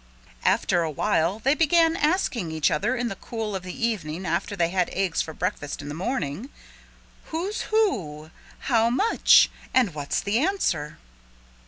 After a while they began asking each other in the cool of the evening after they had eggs for breakfast in the morning, "Who's who? How much? And what's the answer?"